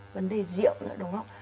vấn đề rượu nữa đúng không